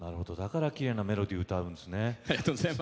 だからきれいなメロディー歌うんですね。